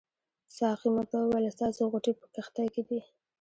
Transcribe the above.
ساقي موږ ته وویل ستاسې غوټې په کښتۍ کې دي.